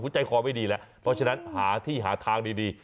ใจคอไม่ดีแหละเพราะฉะนั้นหาที่หาทางดี